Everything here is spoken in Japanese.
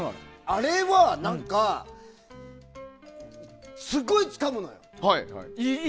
あれは、何かすごいつかむのよ。